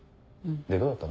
でどうだったの？